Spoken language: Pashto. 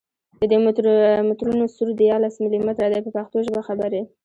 د دي مترونو سور دیارلس ملي متره دی په پښتو ژبه خبرې.